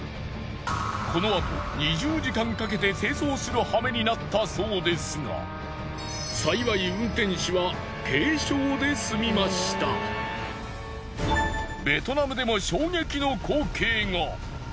このあと２０時間かけて清掃するはめになったそうですが幸いベトナムでも衝撃の光景が。